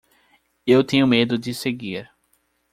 Eu tenho medo de seguir